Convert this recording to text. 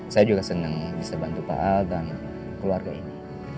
saya juga senang bisa bantu pak al dan keluarga ini